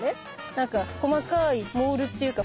なんか細かいモールっていうか